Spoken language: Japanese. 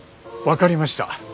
分かりました。